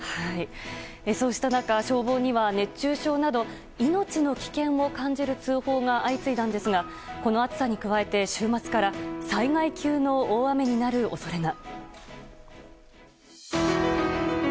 そうした中、消防には熱中症など命の危険を感じる通報が相次いだんですがこの暑さに加えて週末から災害級の大雨になる恐れが。